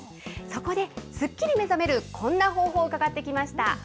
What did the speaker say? そこで、すっきり目覚める、こんな方法を伺ってきました。